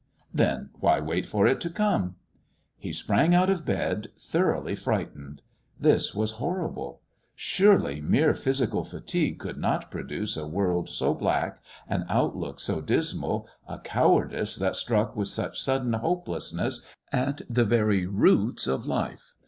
Then why wait for it to come? He sprang out of bed, thoroughly frightened. This was horrible. Surely mere physical fatigue could not produce a world so black, an outlook so dismal, a cowardice that struck with such sudden hopelessness at the very roots of life?